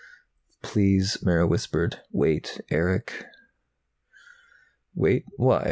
"Please," Mara whispered. "Wait, Erick." "Wait? Why?